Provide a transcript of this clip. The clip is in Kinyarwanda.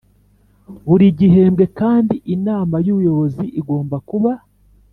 Buri gihembwe kandi Inama y’Ubuyobozi igomba kuba